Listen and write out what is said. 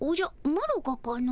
マロがかの？